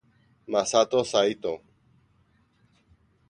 Masato Saito